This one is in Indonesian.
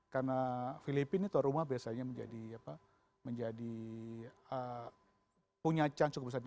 karena filipina itu rumah biasanya menjadi punya chance